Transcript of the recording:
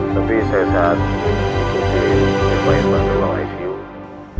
tapi saya saat itu di rumah icu